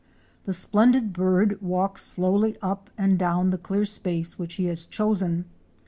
* The splendid bird walks slowly up and down the clear space which he has chosen.